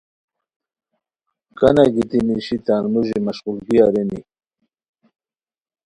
کانہ گیتی نیشی تان موژی مشقولگی ارینی